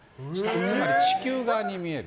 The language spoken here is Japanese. つまり地球側に見える。